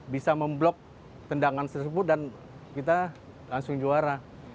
bisa memblok tendangan tersebut dan kita langsung juara